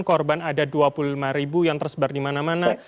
korban ada dua puluh lima ribu yang tersebar di mana mana